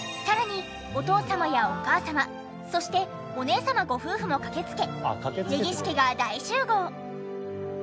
さらにお父様やお母様そしてお姉様ご夫婦も駆けつけ根岸家が大集合！